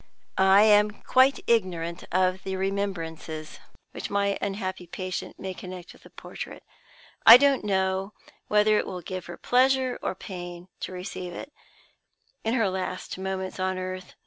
I am quite ignorant of the remembrances which my unhappy patient may connect with the portrait. I don't know whether it will give her pleasure or pain to receive it, in her last moments on earth.